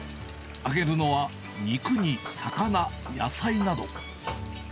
揚げるのは、肉や魚、野菜など。